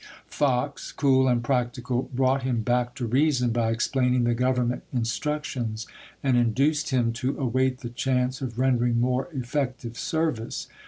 Fox, cool and practical, brought him back to reason by explaining the Government instructions, and induced him to await the chance of rendering more effective serv ice.